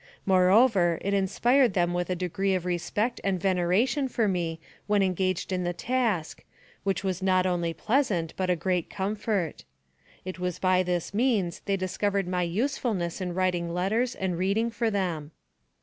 Moreover, it in spired them with a degree of respect and veneration for me when engaged in the task, which was not only pleasant, but a great comfort. It was by this means they discovered my usefulness in writing letters and reading for them.